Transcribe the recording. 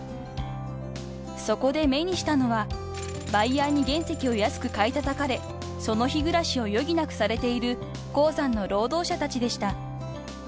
［そこで目にしたのはバイヤーに原石を安く買いたたかれその日暮らしを余儀なくされている鉱山の労働者たちでした］